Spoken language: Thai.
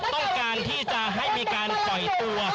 ต้องการที่จะให้มีการปล่อยตัว